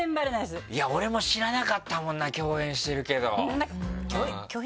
いや俺も知らなかったもんな共演してるけど。